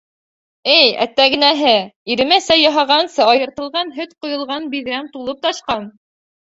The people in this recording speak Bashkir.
Эй, әттәгенәһе, иремә сәй яһағансы, айыртылған һөт ҡойолған биҙрәм тулып ташҡан!